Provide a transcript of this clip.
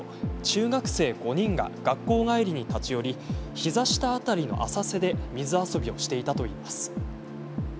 中学生５人が学校帰りに立ち寄り膝下辺りの浅瀬で水遊びをしていたといいます。